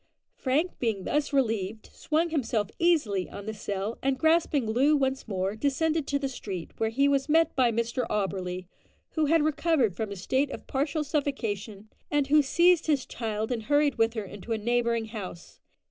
Frank being thus relieved, swung himself easily on the sill, and grasping Loo once more, descended to the street, where he was met by Mr Auberly, who had recovered from his state of partial suffocation, and who seized his child and hurried with her into a neighbouring house.